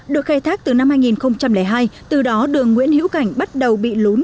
được khai thác từ năm hai nghìn hai từ đó đường nguyễn hữu cảnh bắt đầu bị lún